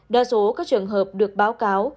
đa số các trường hợp được báo cáo